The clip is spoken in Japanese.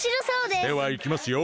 ではいきますよ！